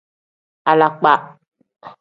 Alakpa.